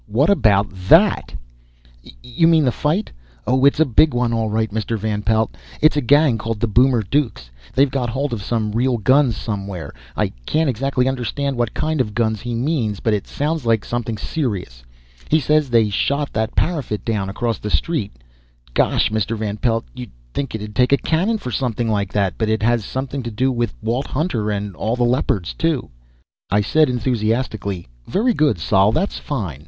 What about that?" "You mean the fight? Oh, it's a big one all right, Mr. Van Pelt. It's a gang called the Boomer Dukes. They've got hold of some real guns somewhere I can't exactly understand what kind of guns he means, but it sounds like something serious. He says they shot that parapet down across the street. Gosh, Mr. Van Pelt, you'd think it'd take a cannon for something like that. But it has something to do with Walt Hutner and all the Leopards, too." I said enthusiastically, "Very good, Sol. That's fine.